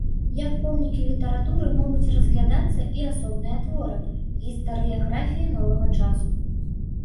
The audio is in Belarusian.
Як помнікі літаратуры могуць разглядацца і асобныя творы гістарыяграфіі новага часу.